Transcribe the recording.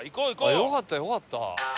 よかったよかった。